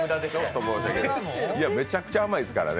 めちゃくちゃ甘いですからね。